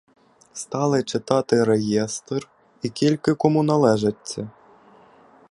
Стали читати реєстр, і кільки кому належиться.